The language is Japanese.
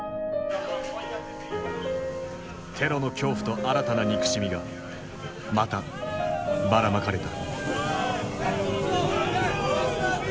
テロの恐怖と新たな憎しみがまたばらまかれた。